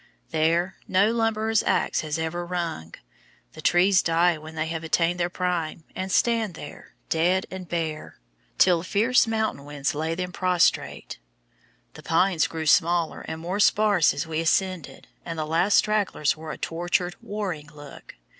There no lumberer's axe has ever rung. The trees die when they have attained their prime, and stand there, dead and bare, till the fierce mountain winds lay them prostrate. The pines grew smaller and more sparse as we ascended, and the last stragglers wore a tortured, warring look.